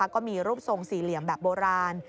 ก็มีรูปทรงสี่เหลี่ยมแบบโบราณ